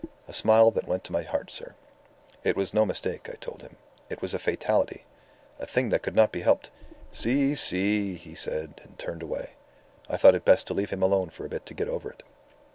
A smile that went to my heart, sir. 'It was no mistake,' I told him. 'It was a fatality. A thing that could not be helped.' 'Si, si!" he said, and turned away. I thought it best to leave him alone for a bit to get over it.